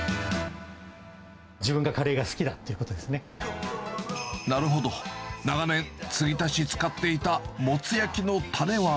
自分がカレーが好きだっていなるほど、長年、つぎ足し使っていたモツ焼きのたれは。